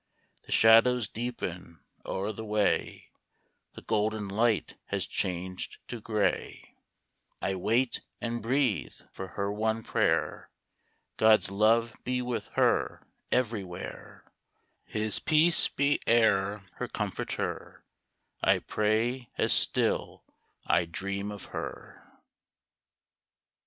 The shadows deepen o'er the way, The golden light has changed to gray) 1 wait, and breathe for her one prayer, — God's love be with her everywhere ; His peace be e'er her comforter, I pray, as still I dream of her.